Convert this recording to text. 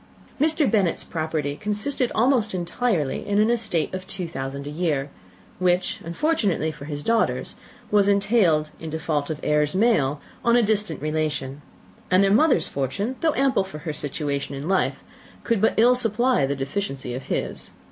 Mr. Bennet's property consisted almost entirely in an estate of two thousand a year, which, unfortunately for his daughters, was entailed, in default of heirs male, on a distant relation; and their mother's fortune, though ample for her situation in life, could but ill supply the deficiency of his.